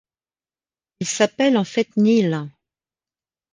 Il s’appelle en fait Neil.